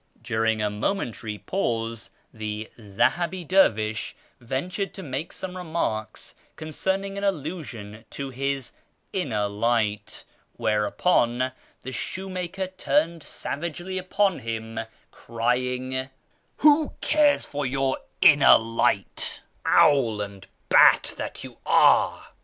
During a momentary pause the Zahabi dervish ventured to make some remarks containing an allusion to his " Inner Light," where upon the shoemaker turned savagely upon him, crying —" Who cares for your ' Inner Light,' owl and bat that you are